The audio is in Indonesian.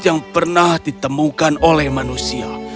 yang pernah ditemukan oleh manusia